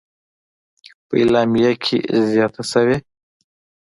په اعلامیه کې زیاته شوې: